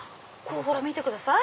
ほら見てください！